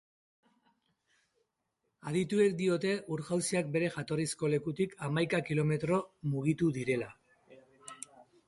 Adituek diote ur-jauziak bere jatorrizko lekutik hamaika kilometro mugitu direla.